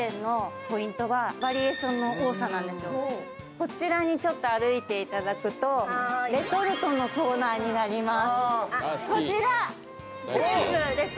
こちらにちょっと歩いていただくと、レトルトのコーナーになります。